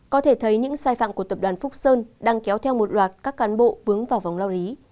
có thể thấy những sai phạm của tập đoàn phúc sơn đang kéo theo một loạt các cán bộ vướng vào vòng lao lý